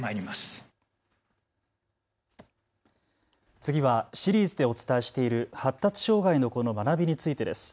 次はシリーズでお伝えしている発達障害の子の学びについてです。